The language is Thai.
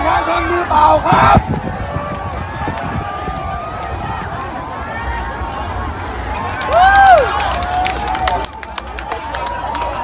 สวัสดีครับทุกคน